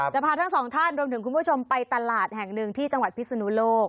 จะพาทั้งสองท่านรวมถึงคุณผู้ชมไปตลาดแห่งหนึ่งที่จังหวัดพิศนุโลก